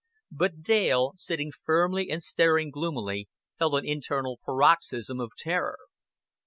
But Dale, sitting firmly and staring gloomily, felt an internal paroxysm of terror.